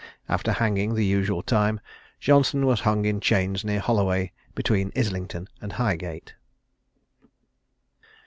After hanging the usual time, Johnson was hung in chains near Holloway, between Islington and Highgate.